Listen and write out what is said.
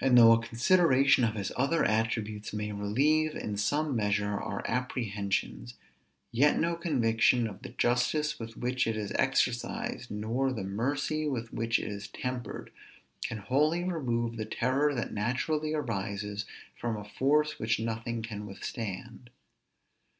And though a consideration of his other attributes may relieve, in some measure, our apprehensions; yet no conviction of the justice with which it is exercised, nor the mercy with which it is tempered, can wholly remove the terror that naturally arises from a force which nothing can withstand.